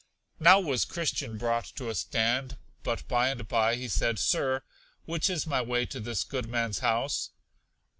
Now was Christian brought to a stand; but by and by he said, Sir, which is my way to this good man's house?